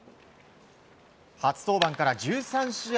初登板から１３試合